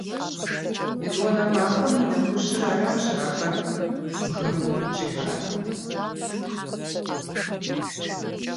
ЕтӀуанэ махуэм и нэхущыр аращ ахэр бгым щихьар.